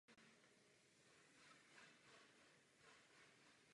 Kromě toho jsem přesvědčen, že musíme být realisty.